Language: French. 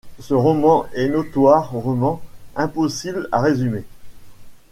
Ce roman est notoirement impossible à résumer.